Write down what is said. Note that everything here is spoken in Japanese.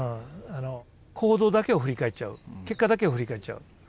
行動だけを振り返っちゃう結果だけを振り返っちゃう。